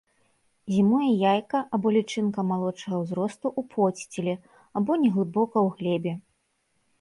Зімуе яйка або лічынка малодшага ўзросту ў подсціле або неглыбока ў глебе.